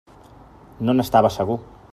No n'estava segur.